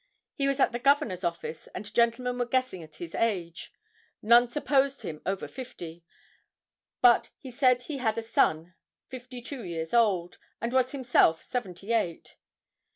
He was at the governor's office, and gentlemen were guessing at his age. None supposed him over fifty; but he said he had a son fifty two years old, and was himself seventy eight.